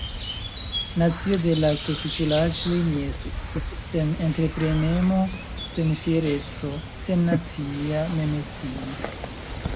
Nacio de laktosuĉulaĉoj ni estus, sen entreprenemo, sen fiereco, sen nacia memestimo.